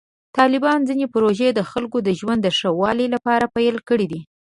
طالبانو ځینې پروژې د خلکو د ژوند د ښه والي لپاره پیل کړې.